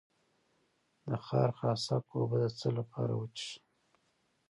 د خارخاسک اوبه د څه لپاره وڅښم؟